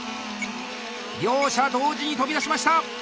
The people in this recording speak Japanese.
両者同時に飛び出しました！